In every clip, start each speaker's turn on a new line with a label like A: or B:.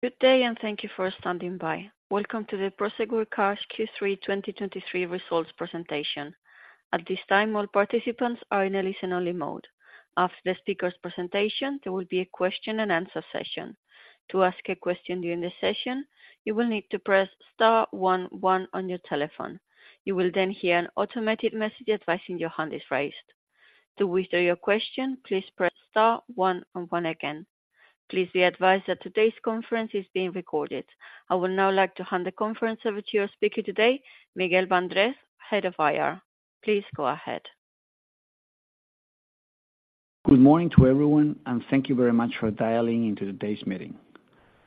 A: Good day, and thank you for standing by. Welcome to the Prosegur Cash Q3 2023 results presentation. At this time, all participants are in a listen-only mode. After the speaker's presentation, there will be a question and answer session. To ask a question during the session, you will need to press star one one on your telephone. You will then hear an automated message advising your hand is raised. To withdraw your question, please press star one and one again. Please be advised that today's conference is being recorded. I would now like to hand the conference over to your speaker today, Miguel Andrés, Head of IR. Please go ahead.
B: Good morning to everyone, and thank you very much for dialing into today's meeting.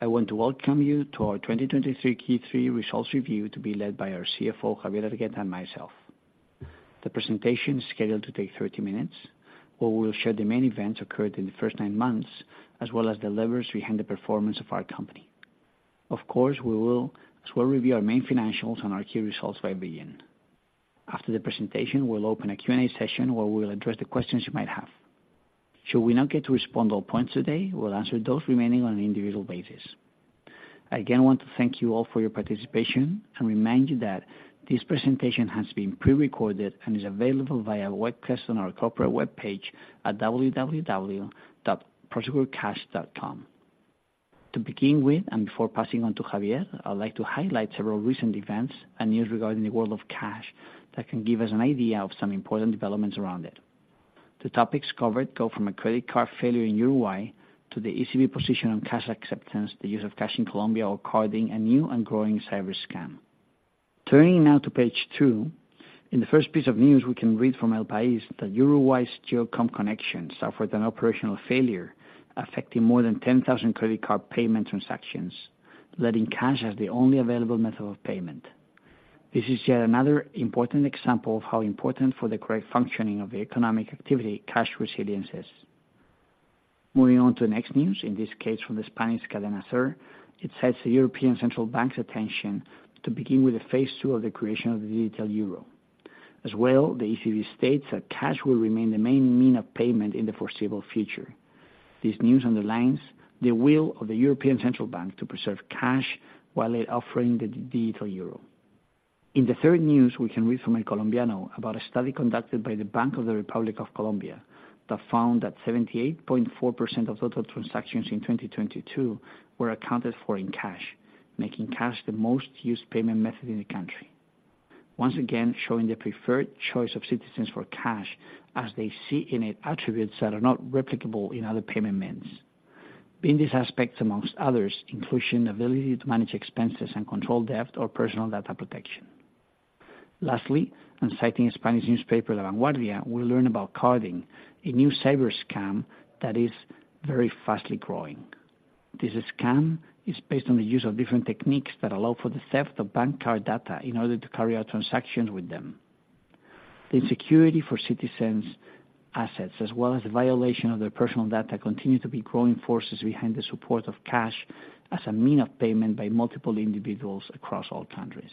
B: I want to welcome you to our 2023 Q3 results review, to be led by our CFO, Javier Hergueta Vázquez, and myself. The presentation is scheduled to take 30 minutes, where we will share the main events occurred in the first 9 months, as well as the levers behind the performance of our company. Of course, we will as well review our main financials and our key results by billion. After the presentation, we'll open a Q&A session, where we'll address the questions you might have. Should we not get to respond to all points today, we'll answer those remaining on an individual basis. I again want to thank you all for your participation and remind you that this presentation has been pre-recorded and is available via a webcast on our corporate webpage at www.prosegurcash.com. To begin with, and before passing on to Javier, I'd like to highlight several recent events and news regarding the world of cash that can give us an idea of some important developments around it. The topics covered go from a credit card failure in Uruguay to the ECB position on cash acceptance, the use of cash in Colombia, or carding, a new and growing cyber scam. Turning now to page two, in the first piece of news, we can read from El País that Uruguay's Geocome connection suffered an operational failure, affecting more than 10,000 credit card payment transactions, leaving cash as the only available method of payment. This is yet another important example of how important for the correct functioning of economic activity cash resilience is Moving on to the next news, in this case from the Spanish Cadena SER, it sets the European Central Bank's attention to begin with the phase two of the creation of the digital euro. As well, the ECB states that cash will remain the main means of payment in the foreseeable future. This news underlines the will of the European Central Bank to preserve cash while it offering the digital euro. In the third news, we can read from El Colombiano about a study conducted by the Bank of the Republic of Colombia, that found that 78.4% of total transactions in 2022 were accounted for in cash, making cash the most used payment method in the country. Once again, showing the preferred choice of citizens for cash, as they see in it, attributes that are not replicable in other payment means. In this aspect, among others, inclusion, ability to manage expenses and control debt, or personal data protection. Lastly, and citing a Spanish newspaper, La Vanguardia, we learn about carding, a new cyber scam that is very fast growing. This scam is based on the use of different techniques that allow for the theft of bank card data in order to carry out transactions with them. The insecurity for citizens' assets, as well as the violation of their personal data, continue to be growing forces behind the support of cash as a means of payment by multiple individuals across all countries.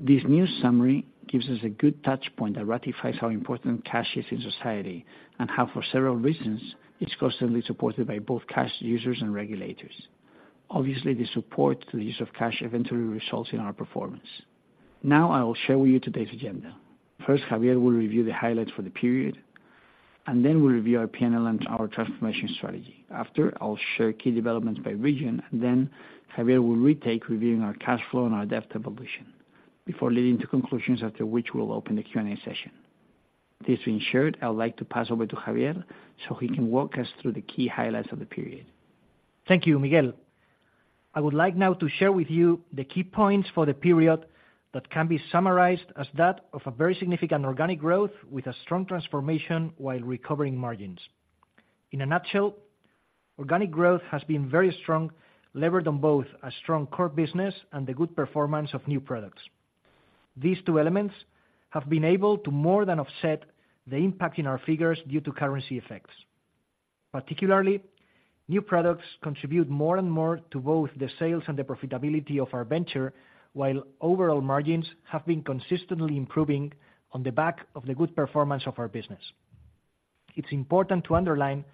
B: This new summary gives us a good touch point that ratifies how important cash is in society, and how, for several reasons, it's constantly supported by both cash users and regulators. Obviously, the support to the use of cash eventually results in our performance. Now, I will share with you today's agenda. First, Javier will review the highlights for the period, and then we'll review our PNL and our transformation strategy. After, I'll share key developments by region, then Javier will retake, reviewing our cash flow and our debt evolution, before leading to conclusions, after which we'll open the Q&A session. This being shared, I would like to pass over to Javier so he can walk us through the key highlights of the period.
C: Thank you, Miguel. I would like now to share with you the key points for the period that can be summarized as that of a very significant organic growth with a strong transformation, while recovering margins. In a nutshell, organic growth has been very strong, levered on both a strong core business and the good performance of new products. These two elements have been able to more than offset the impact in our figures due to currency effects. Particularly, new products contribute more and more to both the sales and the profitability of our venture, while overall margins have been consistently improving on the back of the good performance of our business. It's important to underline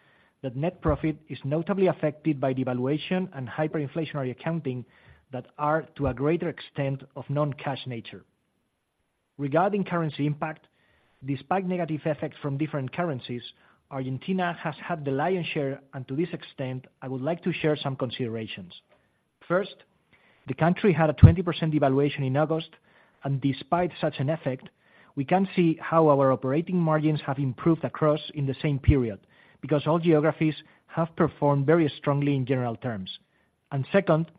C: that net profit is notably affected by devaluation and hyperinflationary accounting that are, to a greater extent, of non-cash nature Regarding currency impact, despite negative effects from different currencies, Argentina has had the lion's share, and to this extent, I would like to share some considerations. First, the country had a 20% devaluation in August, and despite such an effect, we can see how our operating margins have improved across in the same period, because all geographies have performed very strongly in general terms. Second,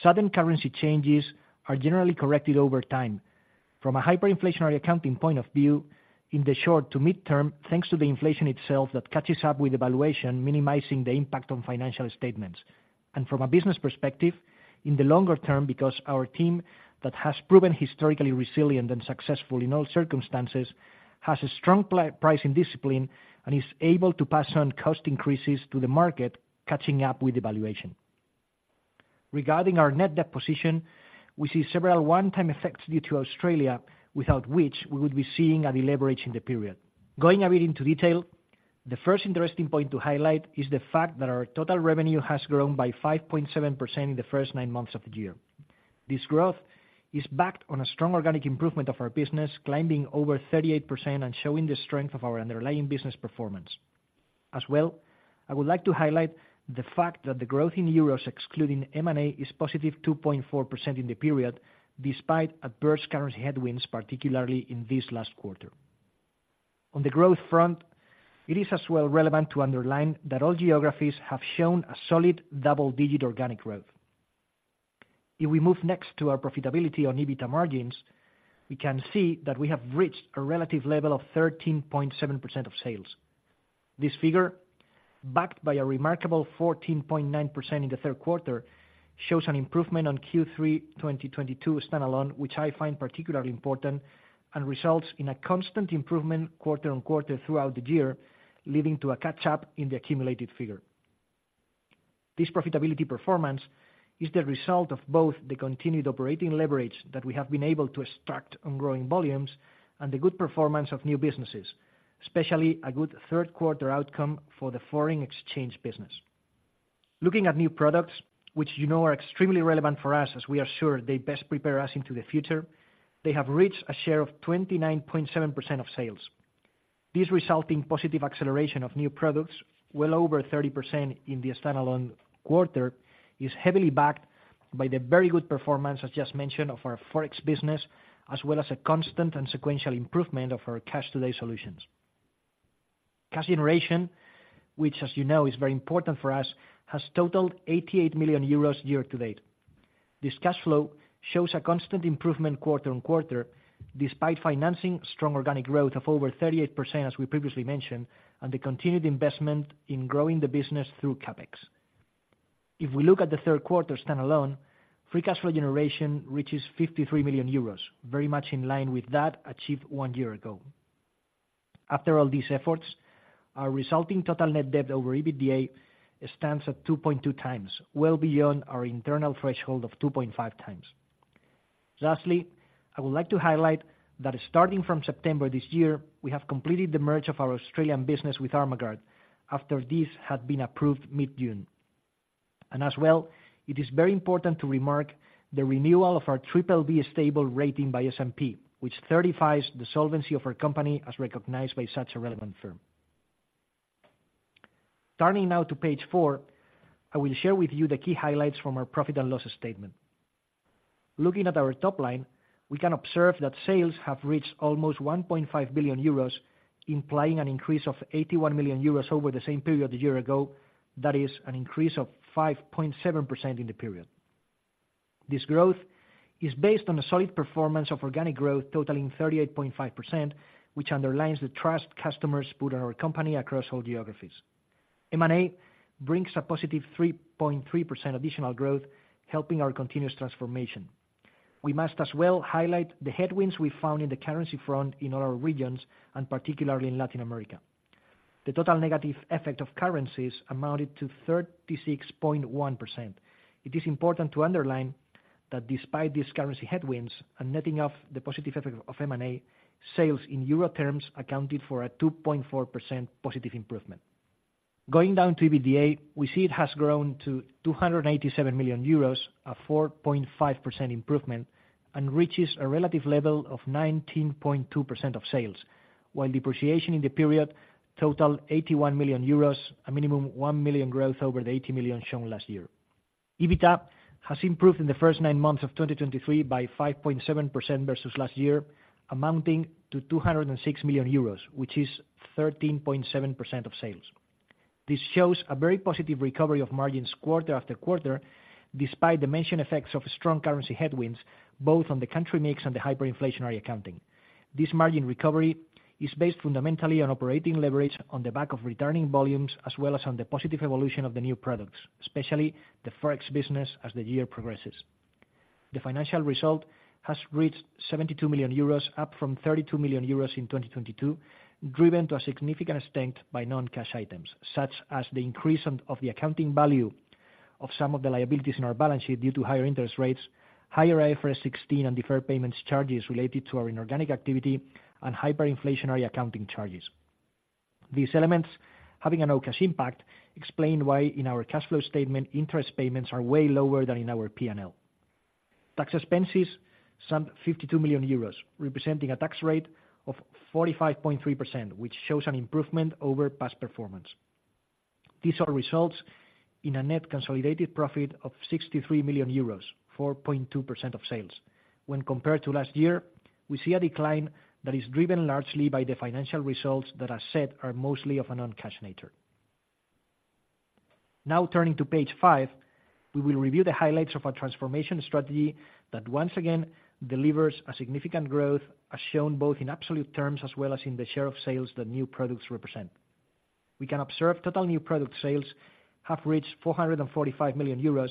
C: sudden currency changes are generally corrected over time. From a hyperinflationary accounting point of view, in the short to mid-term, thanks to the inflation itself, that catches up with devaluation, minimizing the impact on financial statements. From a business perspective, in the longer term, because our team, that has proven historically resilient and successful in all circumstances, has a strong pricing discipline and is able to pass on cost increases to the market, catching up with devaluation. Regarding our net debt position, we see several one-time effects due to Australia, without which we would be seeing a deleverage in the period. Going a bit into detail. The first interesting point to highlight is the fact that our total revenue has grown by 5.7% in the first nine months of the year. This growth is backed on a strong organic improvement of our business, climbing over 38% and showing the strength of our underlying business performance. As well, I would like to highlight the fact that the growth in euros, excluding M&A, is positive 2.4% in the period, despite adverse current headwinds, particularly in this last quarter. On the growth front, it is as well relevant to underline that all geographies have shown a solid double-digit organic growth. If we move next to our profitability on EBITDA margins, we can see that we have reached a relative level of 13.7% of sales. This figure, backed by a remarkable 14.9% in the third quarter, shows an improvement on Q3 2022 standalone, which I find particularly important, and results in a constant improvement quarter on quarter throughout the year, leading to a catch-up in the accumulated figure. This profitability performance is the result of both the continued operating leverage that we have been able to extract on growing volumes, and the good performance of new businesses, especially a good third quarter outcome for the foreign exchange business. Looking at new products, which you know are extremely relevant for us, as we are sure they best prepare us into the future, they have reached a share of 29.7% of sales. This resulting positive acceleration of new products, well over 30% in the standalone quarter, is heavily backed by the very good performance, as just mentioned, of our Forex business, as well as a constant and sequential improvement of our Cash Today solutions. Cash generation, which, as you know, is very important for us, has totaled 88 million euros year to date. This cash flow shows a constant improvement quarter-on-quarter, despite financing strong organic growth of over 38%, as we previously mentioned, and the continued investment in growing the business through CapEx. If we look at the third quarter standalone, free cash flow generation reaches 53 million euros, very much in line with that achieved one year ago. After all these efforts, our resulting total net debt over EBITDA stands at 2.2 times, well beyond our internal threshold of 2.5 times. Lastly, I would like to highlight that starting from September this year, we have completed the merge of our Australian business with [armagard] after this had been approved mid-June. And as well, it is very important to remark the renewal of our triple-B stable rating by S&P, which certifies the solvency of our company as recognized by such a relevant firm. Turning now to page four, I will share with you the key highlights from our profit and loss statement. Looking at our top line, we can observe that sales have reached almost 1.5 billion euros, implying an increase of 81 million euros over the same period a year ago, that is an increase of 5.7% in the period. This growth is based on a solid performance of organic growth totaling 38.5%, which underlines the trust customers put on our company across all geographies. M&A brings a positive 3.3% additional growth, helping our continuous transformation. We must as well highlight the headwinds we found in the currency front in all our regions, and particularly in Latin America. The total negative effect of currencies amounted to 36.1%. It is important to underline that despite these currency headwinds and netting off the positive effect of M&A, sales in euro terms accounted for a 2.4% positive improvement. Going down to EBITDA, we see it has grown to 287 million euros, a 4.5% improvement, and reaches a relative level of 19.2% of sales, while depreciation in the period totaled 81 million euros, a minimal 1 million growth over the 80 million shown last year. EBITDA has improved in the first nine months of 2023 by 5.7% versus last year, amounting to 206 million euros, which is 13.7% of sales. This shows a very positive recovery of margins quarter after quarter, despite the mentioned effects of strong currency headwinds, both on the country mix and the hyperinflationary accounting. This margin recovery is based fundamentally on operating leverage on the back of returning volumes, as well as on the positive evolution of the new products, especially the Forex business, as the year progresses. The financial result has reached 72 million euros, up from 32 million euros in 2022, driven to a significant extent by non-cash items, such as the increase of the accounting value of some of the liabilities in our balance sheet due to higher interest rates, higher IFRS 16 and deferred payments charges related to our inorganic activity, and hyperinflationary accounting charges. These elements, having a non-cash impact, explain why, in our cash flow statement, interest payments are way lower than in our P&L. Tax expenses summed 52 million euros, representing a tax rate of 45.3%, which shows an improvement over past performance. These all results in a net consolidated profit of 63 million euros, 4.2% of sales. When compared to last year, we see a decline that is driven largely by the financial results that are said are mostly of a non-cash nature. Now, turning to page five, we will review the highlights of our transformation strategy that once again delivers a significant growth, as shown both in absolute terms as well as in the share of sales that new products represent. We can observe total new product sales have reached 445 million euros,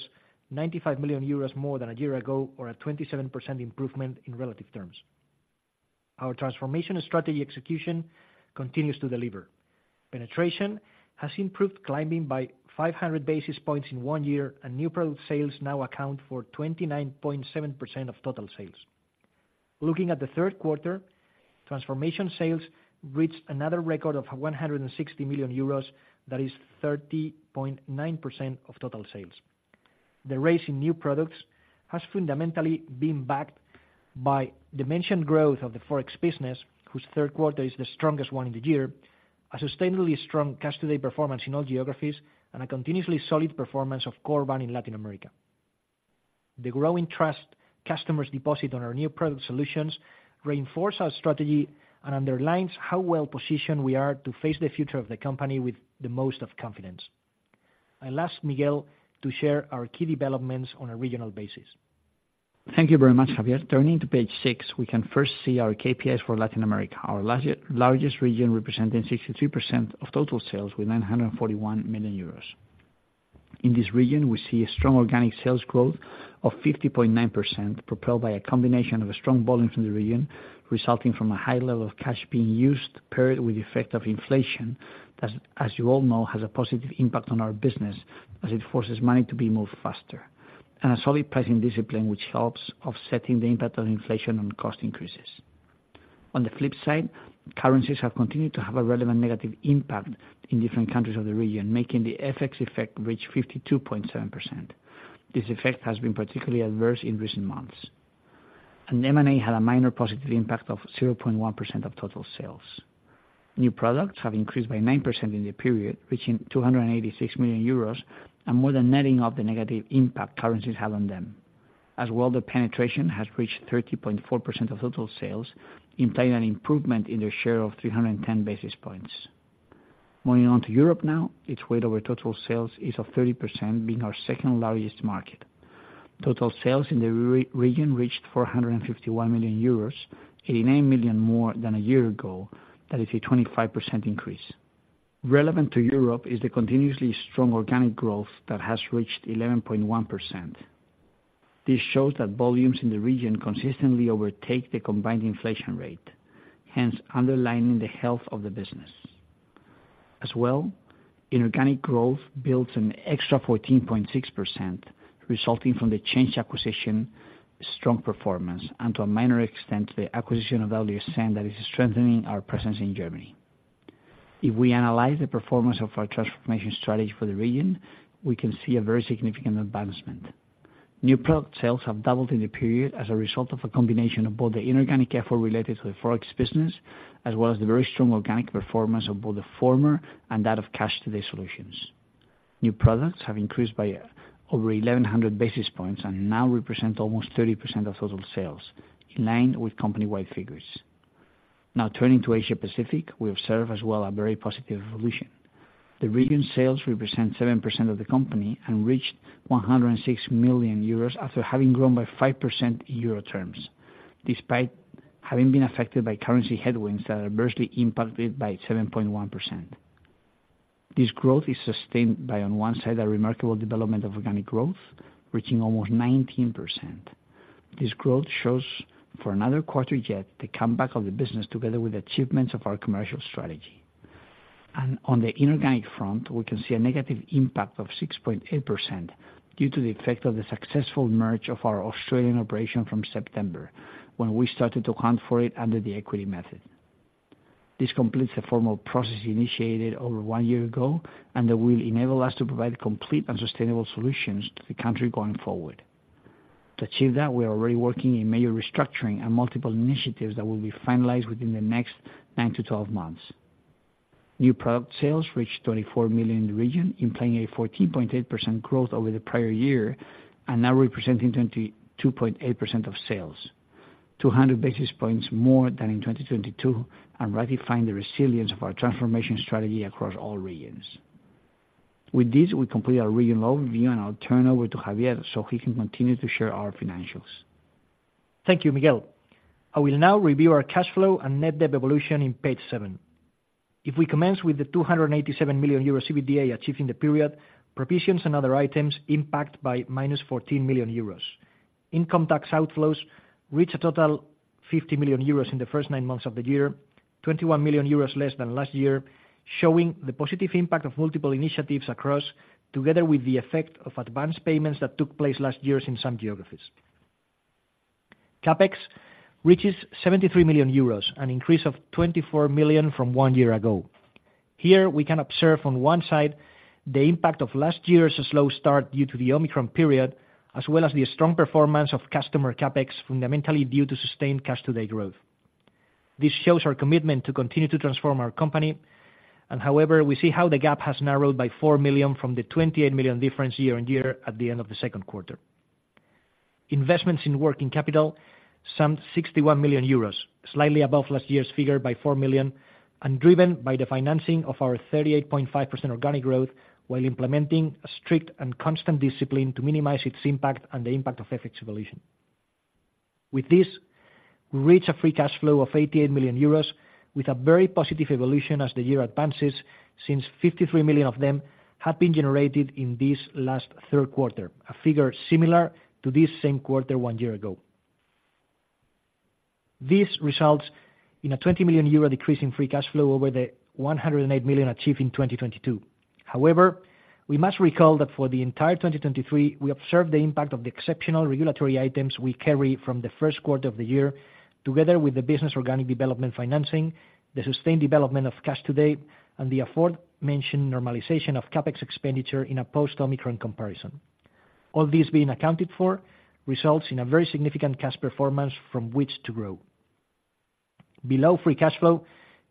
C: 95 million euros more than a year ago, or a 27% improvement in relative terms. Our transformation strategy execution continues to deliver. Penetration has improved, climbing by 500 basis points in one year, and new product sales now account for 29.7% of total sales. Looking at the third quarter, transformation sales reached another record of 160 million euros, that is 30.9% of total sales. The rise in new products has fundamentally been backed by the mentioned growth of the Forex business, whose third quarter is the strongest one in the year, a sustainably strong Cash Today performance in all geographies, and a continuously solid performance of Corban in Latin America. The growing trust customers deposit on our new product solutions reinforce our strategy and underlines how well positioned we are to face the future of the company with the most of confidence. I'll ask Miguel to share our key developments on a regional basis.
B: Thank you very much, Javier. Turning to page six, we can first see our KPIs for Latin America, our large- largest region, representing 62% of total sales with 941 million euros. In this region, we see a strong organic sales growth of 50.9%, propelled by a combination of a strong volume from the region, resulting from a high level of cash being used, paired with the effect of inflation, that, as you all know, has a positive impact on our business, as it forces money to be moved faster, and a solid pricing discipline, which helps offsetting the impact on inflation and cost increases. On the flip side, currencies have continued to have a relevant negative impact in different countries of the region, making the FX effect reach 52.7%. This effect has been particularly adverse in recent months, and M&A had a minor positive impact of 0.1% of total sales. New products have increased by 9% in the period, reaching 286 million euros and more than netting off the negative impact currencies have on them. As well, the penetration has reached 30.4% of total sales, implying an improvement in their share of 310 basis points. Moving on to Europe now, its weight over total sales is of 30%, being our second largest market. Total sales in the region reached 451 million euros, 89 million more than a year ago. That is a 25% increase. Relevant to Europe is the continuously strong organic growth that has reached 11.1%. This shows that volumes in the region consistently overtake the combined inflation rate, hence underlining the health of the business. As well, inorganic growth builds an extra 14.6%, resulting from the Change acquisition, strong performance, and to a minor extent, the acquisition of that is strengthening our presence in Germany. If we analyze the performance of our transformation strategy for the region, we can see a very significant advancement. New product sales have doubled in the period as a result of a combination of both the inorganic effort related to the Forex business, as well as the very strong organic performance of both the former and that of Cash Today solutions. New products have increased by over 1,100 basis points and now represent almost 30% of total sales, in line with company-wide figures. Now turning to Asia Pacific, we observe as well a very positive evolution. The region sales represent 7% of the company and reached 106 million euros after having grown by 5% in euro terms, despite having been affected by currency headwinds that adversely impacted by 7.1%. This growth is sustained by, on one side, a remarkable development of organic growth, reaching almost 19%. This growth shows, for another quarter yet, the comeback of the business, together with achievements of our commercial strategy. And on the inorganic front, we can see a negative impact of 6.8% due to the effect of the successful merge of our Australian operation from September, when we started to account for it under the equity method. This completes a formal process initiated over one year ago, and that will enable us to provide complete and sustainable solutions to the country going forward. To achieve that, we are already working in major restructuring and multiple initiatives that will be finalized within the next 9-12 months. New product sales reached 24 million in the region, implying a 14.8% growth over the prior year, and now representing 22.8% of sales, 200 basis points more than in 2022, and ratifying the resilience of our transformation strategy across all regions. With this, we complete our region overview, and I'll turn over to Javier so he can continue to share our financials.
C: Thank you, Miguel. I will now review our cash flow and net debt evolution on page seven. If we commence with the 287 million euro EBITDA achieved in the period, provisions and other items impact by -14 million euros. Income tax outflows reached a total 50 million euros in the first nine months of the year, 21 million euros less than last year, showing the positive impact of multiple initiatives across, together with the effect of advanced payments that took place last year in some geographies. CapEx reaches 73 million euros, an increase of 24 million from one year ago. Here, we can observe on one side, the impact of last year's slow start due to the Omicron period, as well as the strong performance of customer CapEx, fundamentally due to sustained Cash Today growth. This shows our commitment to continue to transform our company, and however, we see how the gap has narrowed by 4 million from the 28 million difference year-on-year at the end of the second quarter. Investments in working capital summed 61 million euros, slightly above last year's figure by 4 million, and driven by the financing of our 38.5% organic growth, while implementing a strict and constant discipline to minimize its impact and the impact of FX evolution. With this, we reach a free cash flow of 88 million euros with a very positive evolution as the year advances, since 53 million of them have been generated in this last third quarter, a figure similar to this same quarter one year ago. These results in a 20 million euro decrease in free cash flow over the 108 million achieved in 2022. However, we must recall that for the entire 2023, we observed the impact of the exceptional regulatory items we carry from the first quarter of the year, together with the business organic development financing, the sustained development of Cash Today, and the aforementioned normalization of CapEx expenditure in a post Omicron comparison. All these being accounted for, results in a very significant cash performance from which to grow. Below free cash flow,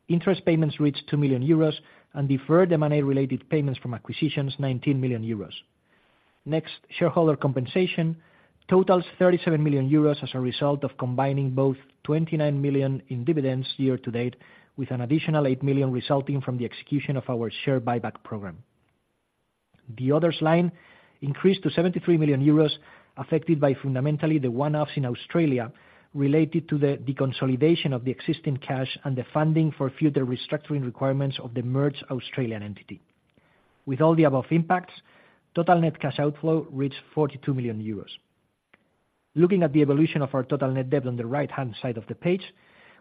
C: interest payments reached 2 million euros and deferred M&A related payments from acquisitions, 19 million euros. Next, shareholder compensation totals 37 million euros as a result of combining both 29 million in dividends year to date, with an additional 8 million resulting from the execution of our share buyback program. The other line increased to 73 million euros, affected by fundamentally the one-offs in Australia related to the deconsolidation of the existing cash and the funding for future restructuring requirements of the merged Australian entity. With all the above impacts, total net cash outflow reached 42 million euros. Looking at the evolution of our total net debt on the right-hand side of the page,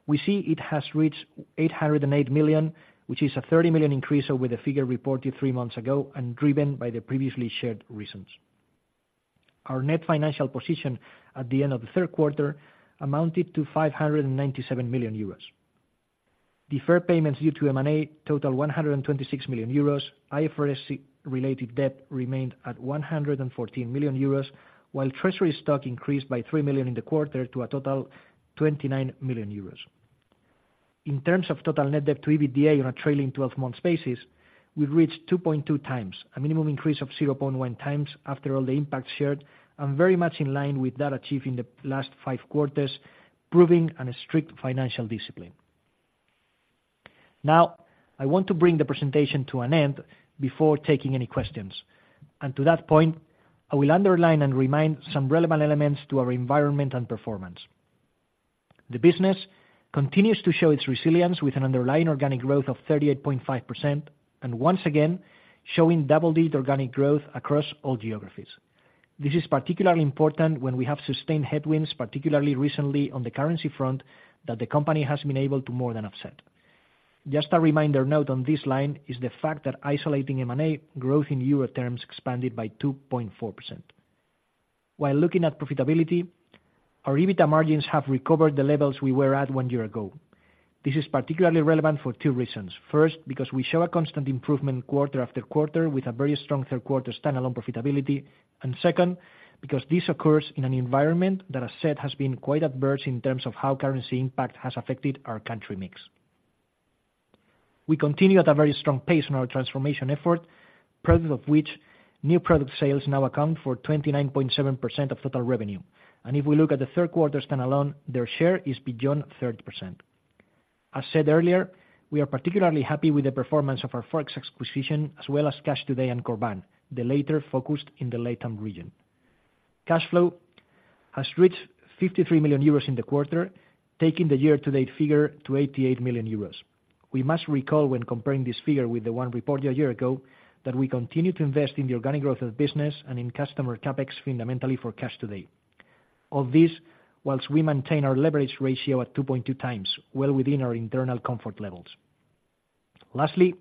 C: we see it has reached 808 million, which is a 30 million increase over the figure reported three months ago and driven by the previously shared reasons. Our net financial position at the end of the third quarter amounted to 597 million euros. Deferred payments due to M&A total 126 million euros. IFRS 16 related debt remained at 114 million euros, while treasury stock increased by 3 million in the quarter to a total 29 million euros. In terms of total net debt to EBITDA on a trailing twelve-month basis, we've reached 2.2x, a minimum increase of 0.1x after all the impacts shared, and very much in line with that achieved in the last five quarters, proving on a strict financial discipline. Now, I want to bring the presentation to an end before taking any questions, and to that point, I will underline and remind some relevant elements to our environment and performance. The business continues to show its resilience with an underlying organic growth of 38.5%, and once again, showing double-digit organic growth across all geographies. This is particularly important when we have sustained headwinds, particularly recently on the currency front, that the company has been able to more than offset. Just a reminder note on this line is the fact that isolating M&A growth in EUR terms expanded by 2.4%. While looking at profitability, our EBITDA margins have recovered the levels we were at one year ago. This is particularly relevant for two reasons. First, because we show a constant improvement quarter after quarter, with a very strong third quarter standalone profitability. And second, because this occurs in an environment that, as said, has been quite adverse in terms of how currency impact has affected our country mix. We continue at a very strong pace on our transformation effort, product of which new product sales now account for 29.7% of total revenue. And if we look at the third quarter standalone, their share is beyond 30%. As said earlier, we are particularly happy with the performance of our Forex acquisition, as well as Cash Today and Corban, the latter focused in the LATAM region. Cash flow has reached 53 million euros in the quarter, taking the year-to-date figure to 88 million euros. We must recall when comparing this figure with the one reported a year ago, that we continue to invest in the organic growth of the business and in customer CapEx, fundamentally for Cash Today. All this, while we maintain our leverage ratio at 2.2 times, well within our internal comfort levels. Lastly,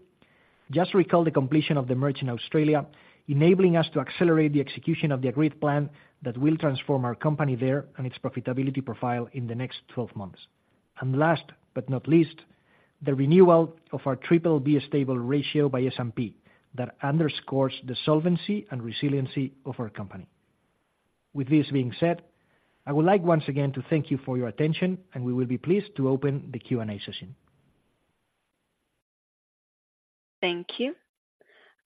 C: just recall the completion of the merger in Australia, enabling us to accelerate the execution of the agreed plan that will transform our company there and its profitability profile in the next 12 months. Last but not least, the renewal of our BBB stable rating by S&P. That underscores the solvency and resiliency of our company. With this being said, I would like once again to thank you for your attention, and we will be pleased to open the Q&A session.
A: Thank you.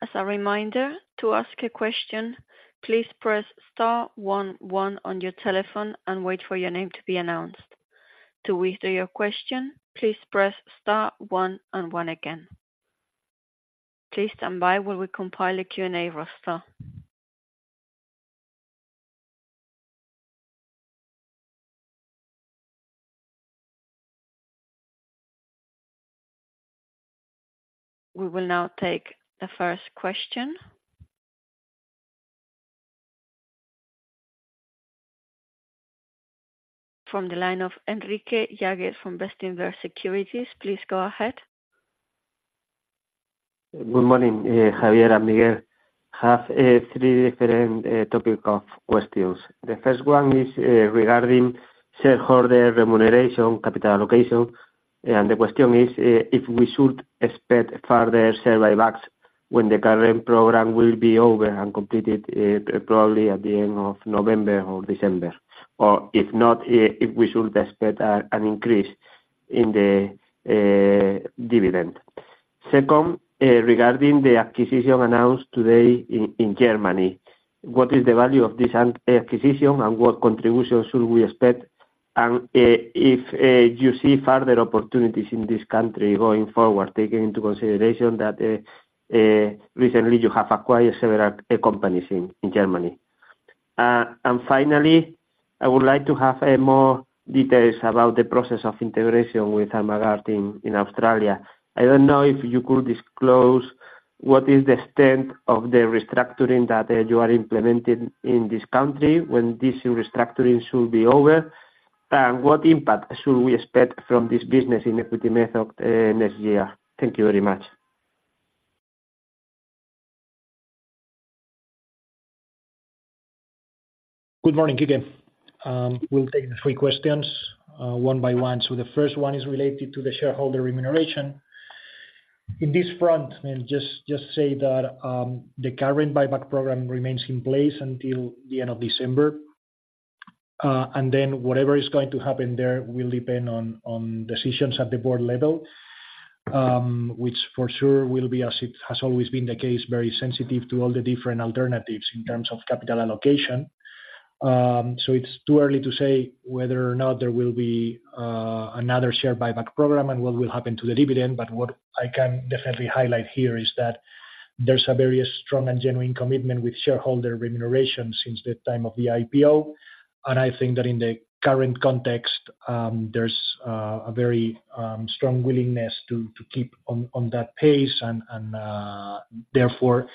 A: As a reminder, to ask a question, please press star one one on your telephone and wait for your name to be announced. To withdraw your question, please press star one and one again. Please stand by while we compile a Q&A roster. We will now take the first question. From the line of Enrique Yagüez from Bestinver Securities. Please go ahead.
D: Good morning, Javier and Miguel. Have three different topic of questions. The first one is regarding shareholder remuneration, capital allocation, and the question is if we should expect further share buybacks when the current program will be over and completed, probably at the end of November or December, or if not, if we should expect an increase in the dividend. Second, regarding the acquisition announced today in Germany, what is the value of this acquisition, and what contribution should we expect? If you see further opportunities in this country going forward, taking into consideration that recently you have acquired several companies in Germany. And finally, I would like to have more details about the process of integration with [amaranthine] in Australia. I don't know if you could disclose what is the extent of the restructuring that you are implementing in this country, when this restructuring should be over, and what impact should we expect from this business in Equity Method next year? Thank you very much.
C: Good morning, [gideon]. We'll take the three questions one by one. So the first one is related to the shareholder remuneration. In this front, I mean, just say that the current buyback program remains in place until the end of December. And then whatever is going to happen there will depend on decisions at the board level, which for sure will be, as it has always been the case, very sensitive to all the different alternatives in terms of capital allocation. So it's too early to say whether or not there will be another share buyback program and what will happen to the dividend. But what I can definitely highlight here is that there's a very strong and genuine commitment with shareholder remuneration since the time of the IPO. I think that in the current context, there's a very strong willingness to keep on that pace. Therefore,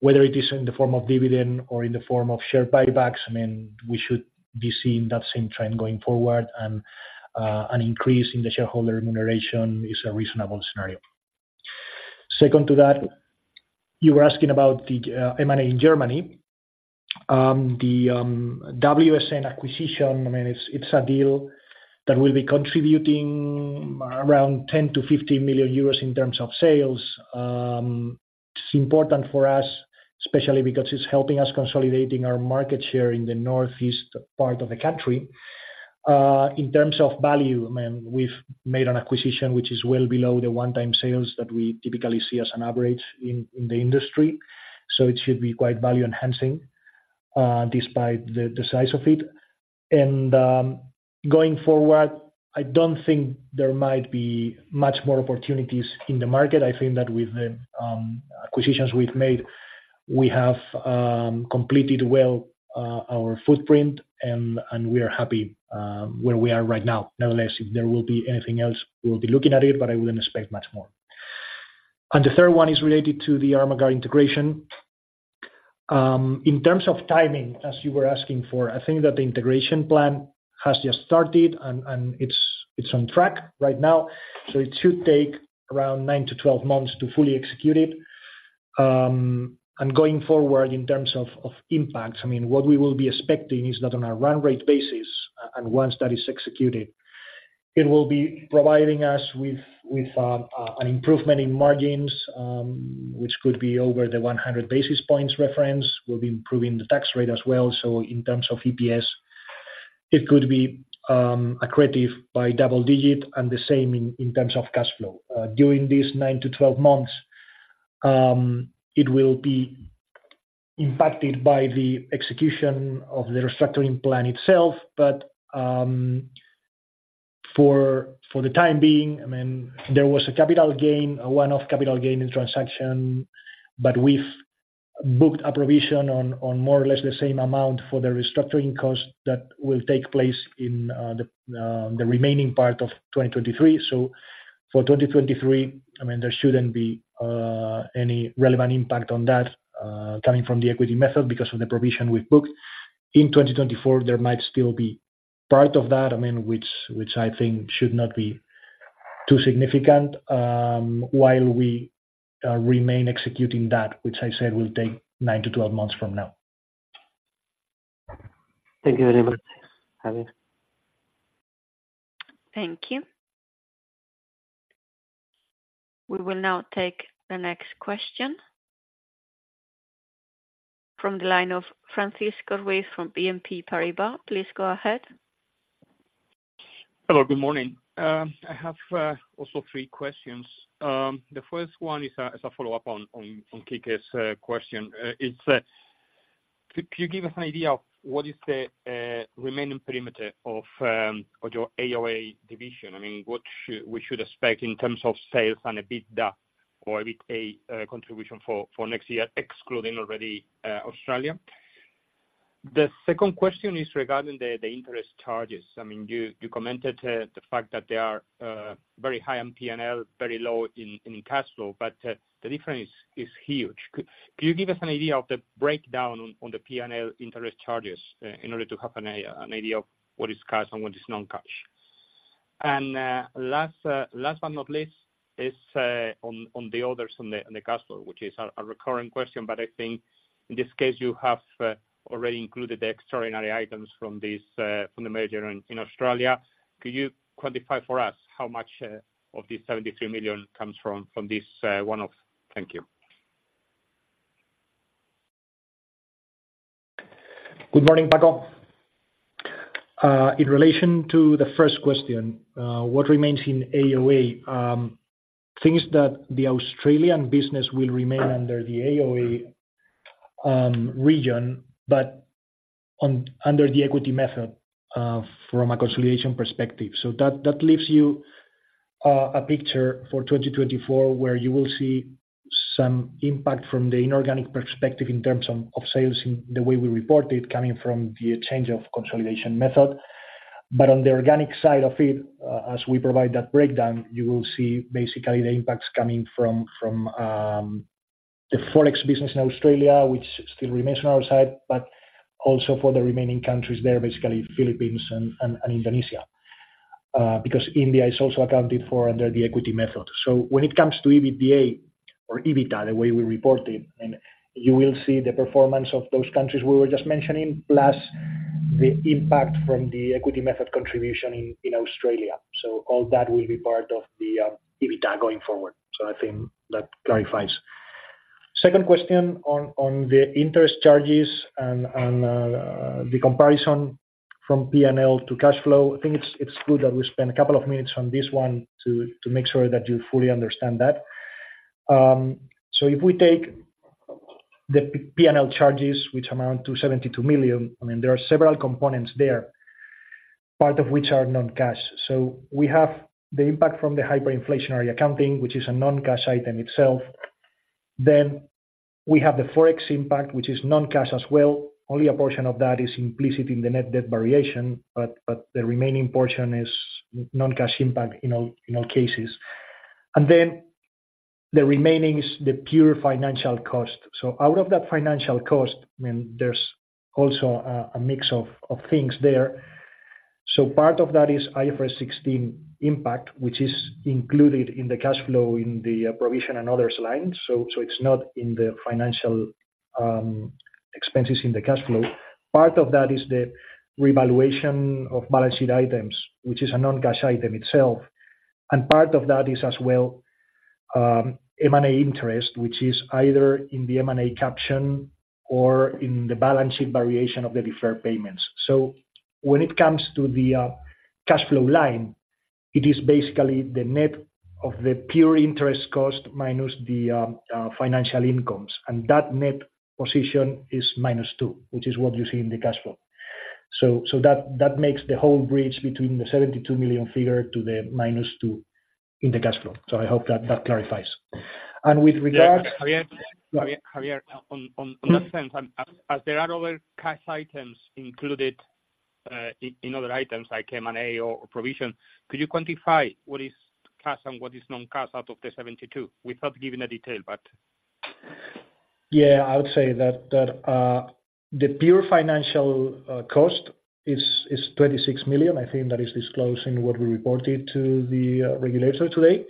C: whether it is in the form of dividend or in the form of share buybacks, I mean, we should be seeing that same trend going forward, and an increase in the shareholder remuneration is a reasonable scenario. Second to that, you were asking about the M&A in Germany. The WSN acquisition, I mean, it's a deal that will be contributing around 10-15 million euros in terms of sales. It's important for us, especially because it's helping us consolidating our market share in the northeast part of the country. In terms of value, I mean, we've made an acquisition which is well below the one-time sales that we typically see as an average in the industry, so it should be quite value enhancing, despite the size of it. And going forward, I don't think there might be much more opportunities in the market. I think that with the acquisitions we've made, we have completed well our footprint, and we are happy where we are right now. Nevertheless, if there will be anything else, we will be looking at it, but I wouldn't expect much more. And the third one is related to the Armaguard integration. In terms of timing, as you were asking for, I think that the integration plan has just started and it's on track right now, so it should take around 9-12 months to fully execute it. And going forward, in terms of impacts, I mean, what we will be expecting is that on a run rate basis, and once that is executed, it will be providing us with an improvement in margins, which could be over the 100 basis points reference. We'll be improving the tax rate as well, so in terms of EPS, it could be accretive by double-digit and the same in terms of cash flow. During these 9-12 months, it will be impacted by the execution of the restructuring plan itself. But, for the time being, I mean, there was a capital gain, a one-off capital gain in transaction, but we've booked a provision on more or less the same amount for the restructuring cost that will take place in the remaining part of 2023. So for 2023, I mean, there shouldn't be any relevant impact on that coming from the equity method because of the provision we've booked. In 2024, there might still be part of that, I mean, which I think should not be too significant, while we remain executing that, which I said will take 9-12 months from now.
D: Thank you very much, Javier.
A: Thank you. We will now take the next question from the line of Francisco Ruiz from BNP Paribas. Please go ahead.
E: Hello, good morning. I have also three questions. The first one is a follow-up on Quique's question. Could you give us an idea of what is the remaining perimeter of your AOA division? I mean, what we should expect in terms of sales and a EBITDA or EBITA contribution for next year, excluding already Australia. The second question is regarding the interest charges. I mean, you commented the fact that they are very high on PNL, very low in cash flow, but the difference is huge. Could you give us an idea of the breakdown on the PNL interest charges in order to have an idea of what is cash and what is non-cash? Last but not least, on the others, on the cash flow, which is a recurring question, but I think in this case, you have already included the extraordinary items from the merger in Australia. Could you quantify for us how much of the 73 million comes from this one-off? Thank you.
C: Good morning, [pato]. In relation to the first question, what remains in AOA, things that the Australian business will remain under the AOA region, but under the equity method, from a consolidation perspective. So that leaves you a picture for 2024, where you will see some impact from the inorganic perspective in terms of sales in the way we report it, coming from the change of consolidation method. But on the organic side of it, as we provide that breakdown, you will see basically the impacts coming from the Forex business in Australia, which still remains on our side, but also for the remaining countries there, basically Philippines and Indonesia, because India is also accounted for under the equity method. So when it comes to EBBA or EBITDA, the way we report it, and you will see the performance of those countries we were just mentioning, plus the impact from the equity method contribution in, in Australia. So all that will be part of the EBITDA going forward. So I think that clarifies. Second question on, on the interest charges and, and, the comparison from P&L to cash flow. I think it's, it's good that we spend a couple of minutes on this one, to, to make sure that you fully understand that. So if we take the P&L charges, which amount to 72 million, I mean, there are several components there, part of which are non-cash. So we have the impact from the hyperinflationary accounting, which is a non-cash item itself. Then we have the Forex impact, which is non-cash as well. Only a portion of that is implicit in the net debt variation, but the remaining portion is non-cash impact in all cases. And then the remaining is the pure financial cost. So out of that financial cost, I mean, there's also a mix of things there. So part of that is IFRS 16 impact, which is included in the cash flow in the provision and others line, so it's not in the financial expenses in the cash flow. Part of that is the revaluation of balance sheet items, which is a non-cash item itself. And part of that is as well M&A interest, which is either in the M&A caption or in the balance sheet variation of the deferred payments. So when it comes to the cash flow line, it is basically the net of the pure interest cost minus the financial incomes, and that net position is minus 2 million, which is what you see in the cash flow. So that makes the whole bridge between the 72 million figure to the minus 2 million in the cash flow. So I hope that that clarifies. And with regard
E: Yeah, Javier
C: Go ahead.
E: Javier, in that sense, as there are other cash items included in other items like M&A or provision, could you quantify what is cash and what is non-cash out of the 72, without giving a detail, but?
C: Yeah, I would say that the pure financial cost is 26 million. I think that is disclosed in what we reported to the regulator today.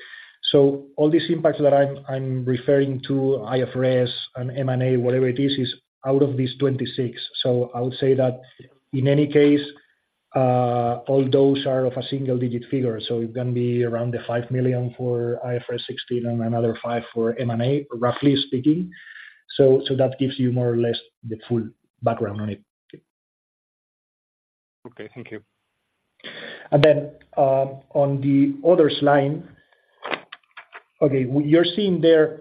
C: So all these impacts that I'm referring to, IFRS and M&A, whatever it is, is out of these 26 million. So I would say that in any case, all those are of a single digit figure, so it's gonna be around the 5 million for IFRS 16 and another 5 million for M&A, roughly speaking. So that gives you more or less the full background on it.
E: Okay, thank you.
C: Then, on the others line, okay, you're seeing there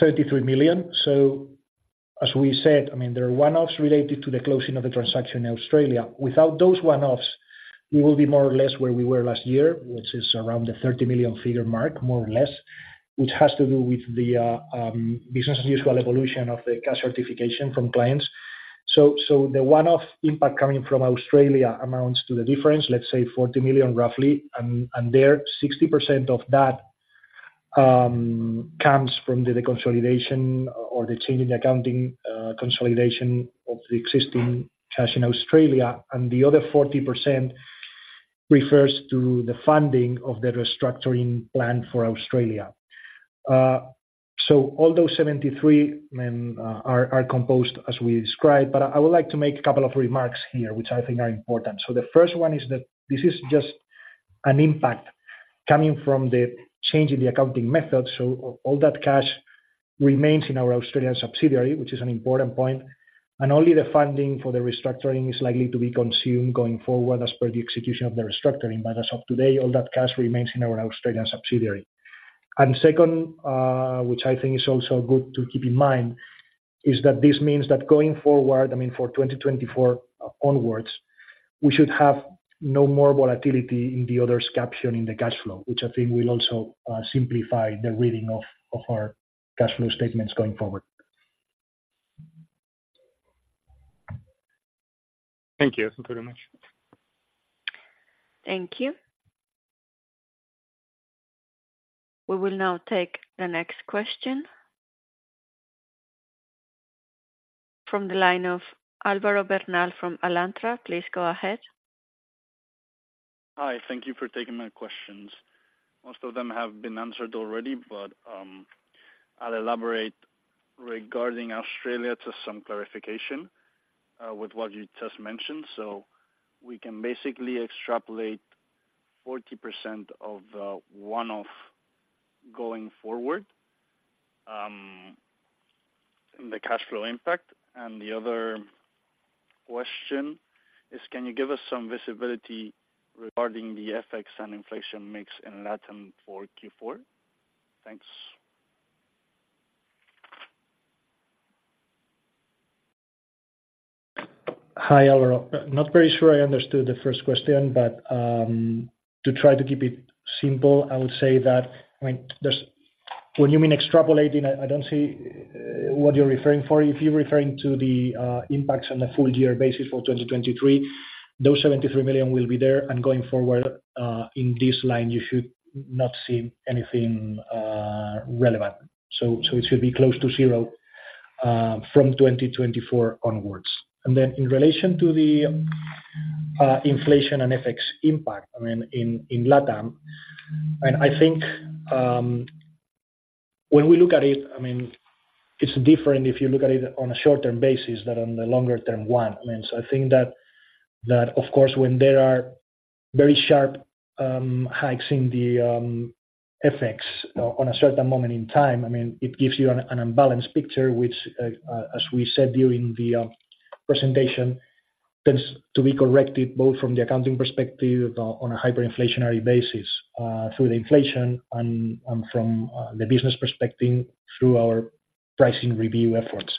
C: 33 million. So as we said, I mean, there are one-offs related to the closing of the transaction in Australia. Without those one offs, we will be more or less where we were last year, which is around the 30 million figure mark, more or less, which has to do with the business as usual evolution of the cash certification from clients. So the one-off impact coming from Australia amounts to the difference, let's say 40 million, roughly. And there, 60% of that comes from the deconsolidation or the change in the accounting consolidation of the existing cash in Australia, and the other 40% refers to the funding of the restructuring plan for Australia. So although 73 are composed as we described, but I would like to make a couple of remarks here, which I think are important. So the first one is that this is just an impact coming from the change in the accounting method, so all that cash remains in our Australian subsidiary, which is an important point, and only the funding for the restructuring is likely to be consumed going forward, as per the execution of the restructuring. But as of today, all that cash remains in our Australian subsidiary. Second, which I think is also good to keep in mind, is that this means that going forward, I mean, for 2024 onwards, we should have no more volatility in the others caption in the cash flow, which I think will also simplify the reading of our cash flow statements going forward.
E: Thank you. Thank you very much.
A: Thank you. We will now take the next question from the line of Álvaro Bernal from Alantra. Please go ahead.
F: Hi, thank you for taking my questions. Most of them have been answered already, but I'll elaborate regarding Australia to some clarification with what you just mentioned. So we can basically extrapolate 40% of the one-off going forward in the cash flow impact. And the other question is, can you give us some visibility regarding the FX and inflation mix in Latin for Q4? Thanks.
C: Hi, Álvaro. Not very sure I understood the first question, but to try to keep it simple, I would say that, I mean, there's, when you mean extrapolating, I don't see what you're referring for. If you're referring to the impacts on the full year basis for 2023, those 73 million will be there, and going forward, in this line, you should not see anything relevant. So it should be close to zero from 2024 onwards. And then in relation to the inflation and FX impact, I mean, in LATAM, and I think when we look at it, I mean, it's different if you look at it on a short-term basis than on the longer term one. I mean, so I think that of course, when there are very sharp hikes in the FX on a certain moment in time, I mean, it gives you an unbalanced picture, which, as we said during the presentation, tends to be corrected both from the accounting perspective on a hyperinflationary basis, through the inflation and from the business perspective through our pricing review efforts.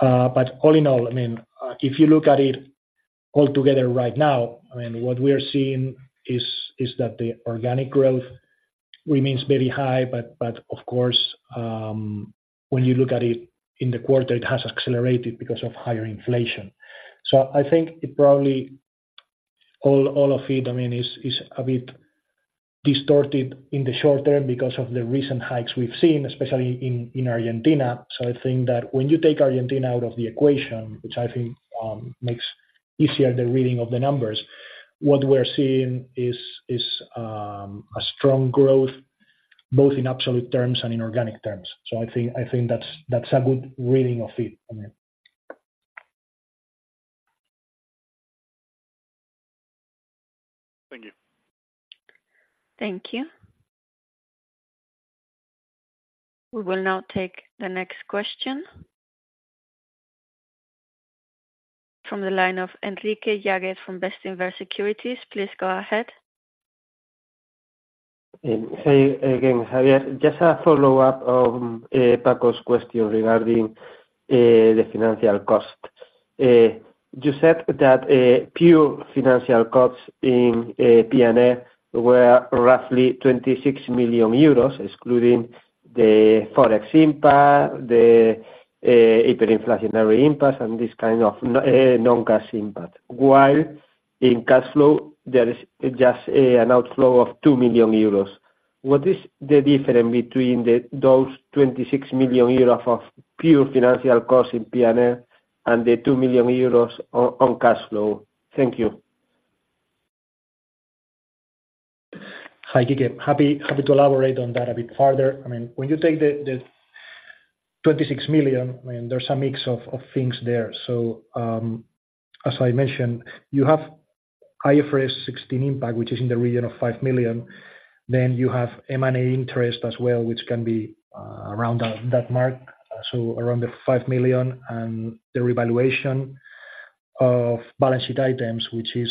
C: But all in all, I mean, if you look at it all together right now, I mean, what we are seeing is that the organic growth remains very high. But of course, when you look at it in the quarter, it has accelerated because of higher inflation. So I think it probably all, all of it, I mean, is a bit distorted in the short term because of the recent hikes we've seen, especially in Argentina. So I think that when you take Argentina out of the equation, which I think makes easier the reading of the numbers, what we're seeing is a strong growth, both in absolute terms and in organic terms. So I think that's a good reading of it, I mean.
G: Thank you.
A: Thank you. We will now take the next question... From the line of Enrique Yagüez from Bestinver Securities. Please go ahead.
D: Hey again, Javier. Just a follow-up on [paco's] question regarding the financial cost. You said that pure financial costs in PNL were roughly 26 million euros, excluding the Forex impact, the hyperinflationary impact, and this kind of non-cash impact. While in cash flow, there is just an outflow of 2 million euros. What is the difference between those 26 million euros of pure financial cost in PNL and the 2 million euros on cash flow? Thank you.
C: Hi, Enrique. Happy, happy to elaborate on that a bit further. I mean, when you take the 26 million, I mean, there's a mix of things there. So, as I mentioned, you have IFRS 16 impact, which is in the region of 5 million. Then you have M&A interest as well, which can be around that mark, so around the 5 million. And the revaluation of balance sheet items, which is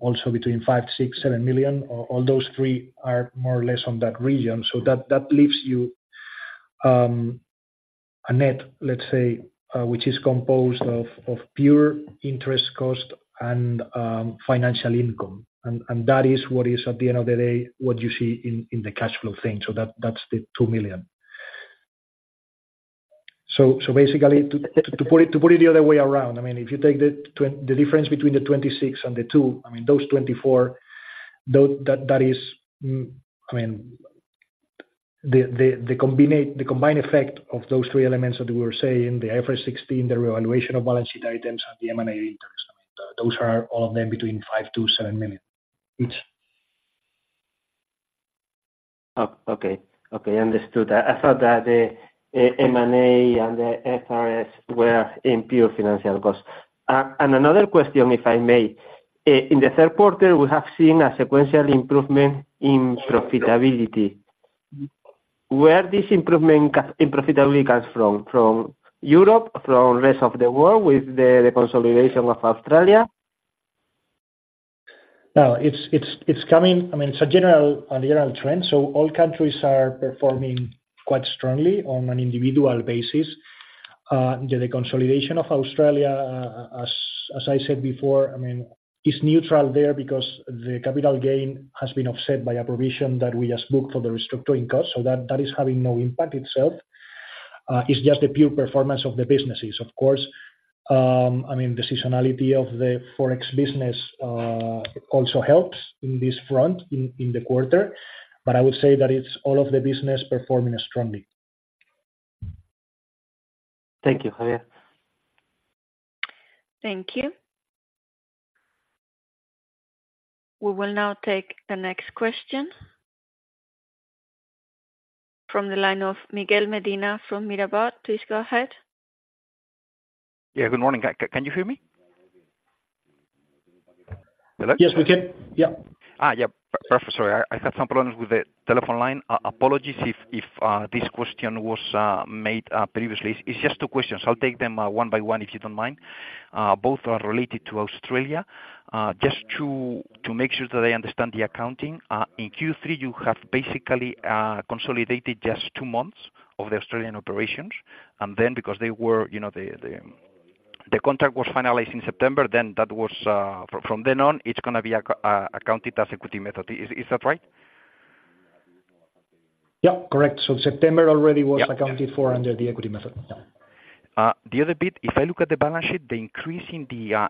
C: also between 5million-7 million. All those three are more or less on that region. So that leaves you a net, let's say, which is composed of pure interest cost and financial income. And that is what is, at the end of the day, what you see in the cash flow thing. So that's the 2 million. So basically, to put it the other way around, I mean, if you take the difference between the 26 and the two, I mean, those 24, that is, I mean, the combined effect of those three elements that we were saying, the IFRS 16, the revaluation of balance sheet items, and the M&A interest. I mean, those are all of them between 5million-7 million each.
D: Oh, okay. Okay, understood. I, I thought that the M&A and the FRS were in pure financial costs. And another question, if I may. In the third quarter, we have seen a sequential improvement in profitability. Where this improvement in profitability comes from? From Europe, from rest of the world, with the, the consolidation of Australia?
C: No, it's coming I mean, it's a general trend, so all countries are performing quite strongly on an individual basis. The consolidation of Australia, as I said before, I mean, it's neutral there because the capital gain has been offset by a provision that we just booked for the restructuring cost. So that is having no impact itself. It's just the pure performance of the businesses. Of course, I mean, seasonality of the Forex business also helps in this front, in the quarter, but I would say that it's all of the business performing strongly.
D: Thank you, Javier.
A: Thank you. We will now take the next question... From the line of Miguel Medina from Mirabaud. Please go ahead.
H: Yeah, good morning. Can you hear me? Hello?
C: Yes, we can. Yeah.
H: Ah, yeah, sorry, I had some problems with the telephone line. Apologies if this question was made previously. It's just two questions. I'll take them one by one, if you don't mind. Both are related to Australia. Just to make sure that I understand the accounting, in Q3, you have basically consolidated just two months of the Australian operations. And then because they were, you know, the contract was finalized in September, then that was from then on, it's going to be accounted as equity method. Is that right?
C: Yeah, correct.
H: So September already was accounted for under the equity method. Yeah. The other bit, if I look at the balance sheet, the increase in the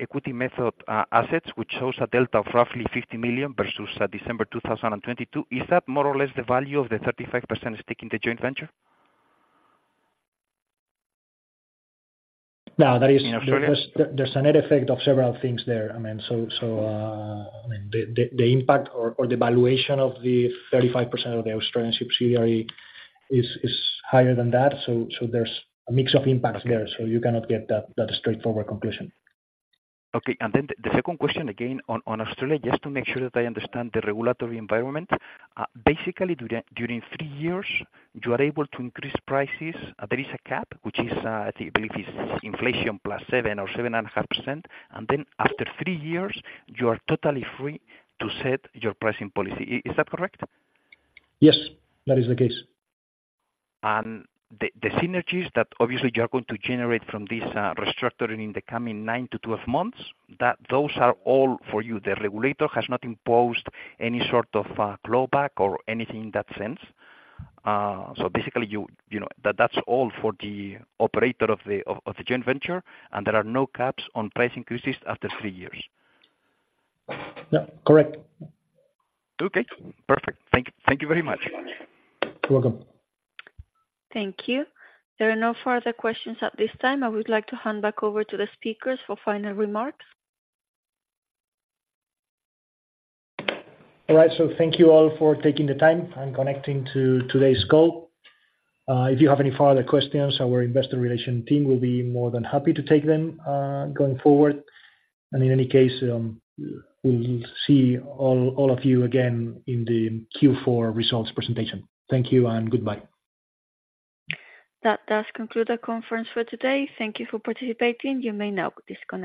H: equity method assets, which shows a delta of roughly 50 million versus December 2022. Is that more or less the value of the 35% stake in the joint venture?
C: No, that is, there's a net effect of several things there. I mean, so, I mean, the impact or the valuation of the 35% of the Australian subsidiary is higher than that. So, there's a mix of impacts there, so you cannot get that straightforward conclusion.
H: Okay. And then the second question, again, on Australia, just to make sure that I understand the regulatory environment. Basically, during three years, you are able to increase prices. There is a cap, which is, I believe, inflation plus 7 or 7.5%, and then after three years, you are totally free to set your pricing policy. Is that correct?
C: Yes, that is the case.
H: And the synergies that obviously you are going to generate from this restructuring in the coming 9-12 months, that those are all for you. The regulator has not imposed any sort of clawback or anything in that sense? So basically, you know, that's all for the operator of the joint venture, and there are no caps on price increases after three years.
C: Yeah. Correct.
H: Okay, perfect. Thank you, thank you very much.
C: You're welcome.
A: Thank you. There are no further questions at this time. I would like to hand back over to the speakers for final remarks.
C: All right, so thank you all for taking the time and connecting to today's call. If you have any further questions, our Investor Relations team will be more than happy to take them, going forward. In any case, we'll see all, all of you again in the Q4 results presentation. Thank you and goodbye.
A: That does conclude our conference for today. Thank you for participating. You may now disconnect.